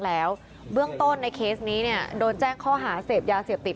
แล้วเบื้องต้นในเคสนี้เนี่ยโดนแจ้งข้อหาเสพยาเสพติด